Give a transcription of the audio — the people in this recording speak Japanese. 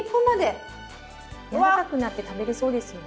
やわらかくなって食べれそうですよね。